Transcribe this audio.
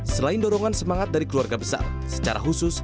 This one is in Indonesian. selain dorongan semangat dari keluarga besar secara khusus